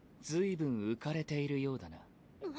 ずいぶん浮かれているようだな。